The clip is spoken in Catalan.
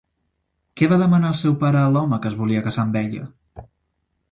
Què va demanar el seu pare a l'home que es volia casar amb ella?